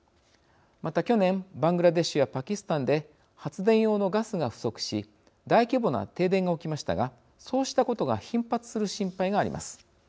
また去年バングラデシュやパキスタンで発電用のガスが不足し大規模な停電が起きましたがそうしたことが頻発する心配があります。